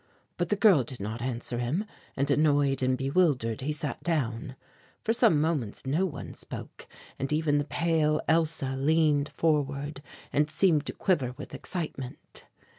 But the girl did not answer him and annoyed and bewildered, he sat down. For some moments no one spoke, and even the pale Elsa leaned forward and seemed to quiver with excitement.